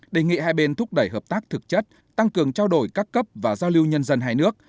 đề nghị hai bên thúc đẩy hợp tác thực chất tăng cường trao đổi các cấp và giao lưu nhân dân hai nước